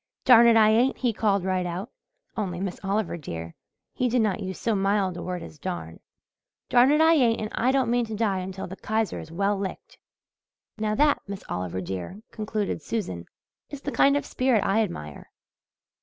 'Darn it, I ain't,' he called right out only, Miss Oliver, dear, he did not use so mild a word as 'darn' 'darn it, I ain't, and I don't mean to die until the Kaiser is well licked.' Now, that, Miss Oliver, dear," concluded Susan, "is the kind of spirit I admire."